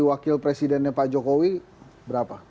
wakil presidennya pak jokowi berapa